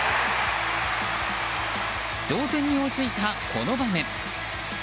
同点に追いついた、この場面。